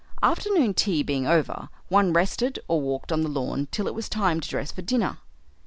Afternoon tea being over, one rested or walked on the lawn till it was time to dress for dinner.